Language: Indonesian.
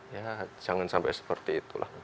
ya jangan sampai seperti itulah